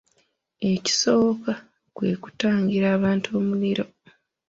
Ekisooka, kwe kutangira abantu omuliro.